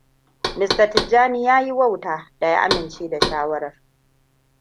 Mr. Tijjani ya yi wauta da ya amince da shawarar.